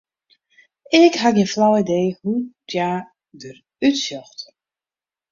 Ik ha gjin flau idee hoe't hja derút sjocht.